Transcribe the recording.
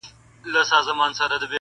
سړی خوښ دی چي په لوړ قېمت خرڅېږي،